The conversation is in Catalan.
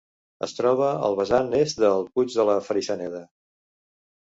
Es troba al vessant est del Puig de la Freixeneda.